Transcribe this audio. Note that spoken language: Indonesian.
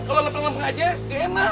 kalo lempeng lempeng aja ga enak